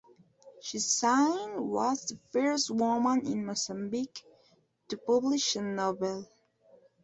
Chiziane was the first woman in Mozambique to publish a novel.